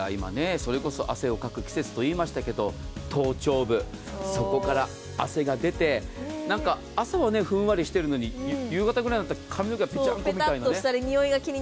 今、汗をかく季節と言いましたけど頭頂部、そこから汗が出て朝はふんわりしてるのに夕方ぐらいになると髪の毛がべちゃっとしたり。